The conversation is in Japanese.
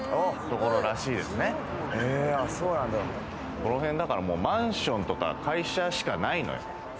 この辺、だからマンションとか会社しかないのよ。